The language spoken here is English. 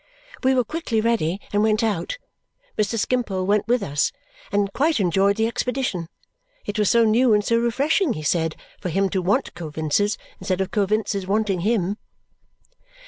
We were quickly ready and went out. Mr. Skimpole went with us and quite enjoyed the expedition. It was so new and so refreshing, he said, for him to want Coavinses instead of Coavinses wanting him!